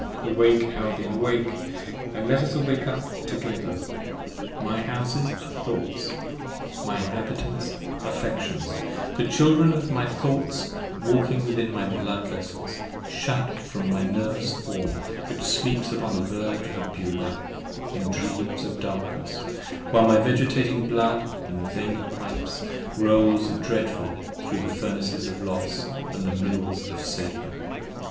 Awake Albion, awake! and let us awake up together. 42 My Houses are Thoughts; my Inhabitants, Affections, The children of my thoughts, walking within my blood vessels, 35 Shut from my nervous form which sleeps upon the verge of Beulah, In dreams of darkness, while my vegetating blood, in veiny pipes, Rolls dreadful thro' the Furnaces of Los, and the Mills of Satan.